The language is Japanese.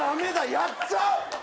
やっちゃう。